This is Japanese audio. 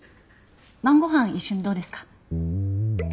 晩ご飯一緒にどうですか？